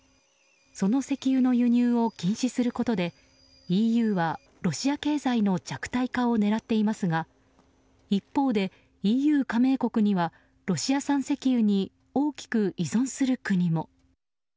その石油の輸入を禁止することでＥＵはロシア経済の弱体化を狙っていますが一方でＥＵ加盟国にはロシア産石油に大きく依存する国も。